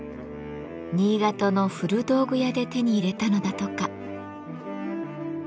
新潟の古道具屋で手に入れたのだとか。